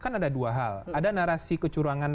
kan ada dua hal ada narasi kecurangan